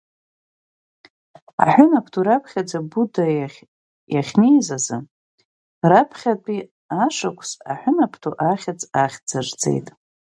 Аҳәынаԥду раԥхьаӡа Буда иахь иахьнеиз азы, раԥхьатәи ашықәса аҳәынаԥду ахьыӡ ахьӡырҵеит.